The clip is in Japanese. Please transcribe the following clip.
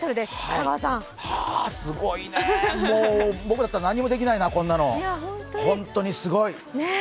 すごいね、もう僕だったら何もできないな、こんなの、本当にすごい。